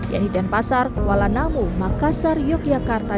yang di denpasar kuala namu makassar yogyakarta